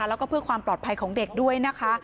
และเพื่อความปลอดภัยของเด็ก